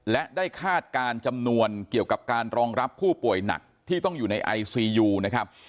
และได้คาดการณ์จำนวนเกี่ยวกับการรองรับผู้ป่วยหนักที่ต้องอยู่ในไอซียูนะครับ